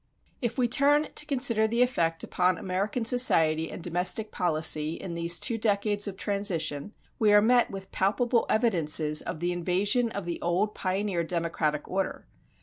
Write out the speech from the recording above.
If we turn to consider the effect upon American society and domestic policy in these two decades of transition we are met with palpable evidences of the invasion of the old pioneer democratic order.